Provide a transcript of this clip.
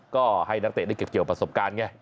ก็ให้นักเตะได้เก็บเกี่ยวประสบการณ์ไง